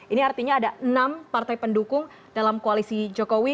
ini artinya ada enam partai pendukung dalam koalisi jokowi